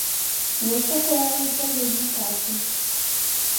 Вось такое раздзяленне працы.